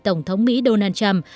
tổng thống mỹ donald trump